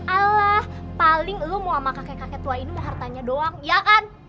alah paling lu mau sama kakek kakek tua ini mau hartanya doang ya kan